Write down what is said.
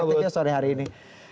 perspektifnya sore hari ini